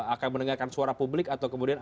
akan mendengarkan suara publik atau kemudian